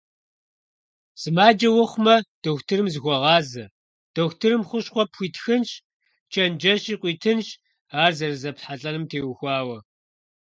Сымаджэ ухъумэ, дохутырым зыхуэгъазэ, дохутырым хущхъуэ пхуитхынщ, чэнджэщи къуитынщ ар зэрызэпхьэлӀэнум теухуауэ.